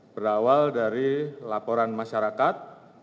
berawal dari laporan masyarakat